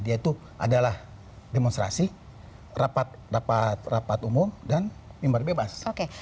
yaitu adalah demonstrasi rapat rapat umum dan mimbar bebas